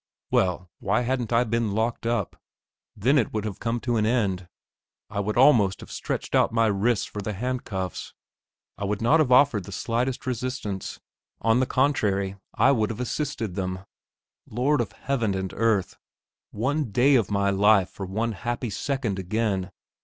Well, why hadn't I been locked up? then it would have come to an end. I would almost have stretched out my wrists for the handcuffs. I would not have offered the slightest resistance; on the contrary, I would have assisted them. Lord of Heaven and Earth! one day of my life for one happy second again!